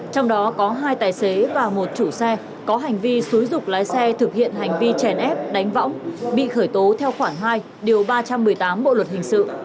trong đó có hai tài xế và một chủ xe có hành vi xúi dục lái xe thực hiện hành vi chèn ép đánh võng bị khởi tố theo khoảng hai điều ba trăm một mươi tám bộ luật hình sự